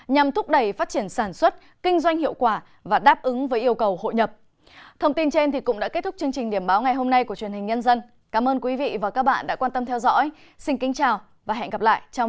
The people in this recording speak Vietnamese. nhằm thúc đẩy phát triển sản xuất kinh doanh hiệu quả và đáp ứng với yêu cầu hội nhập